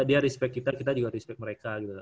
dia respect kita juga respect mereka gitu